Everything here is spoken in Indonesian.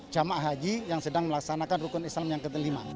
jemaah haji yang sedang melaksanakan rukun islam yang kelima